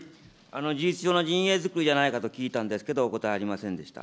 事実上の陣営作りじゃないかと聞いたんですけれども、お答えありませんでした。